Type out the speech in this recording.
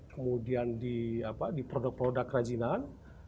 kemudian di produk produk kerajinan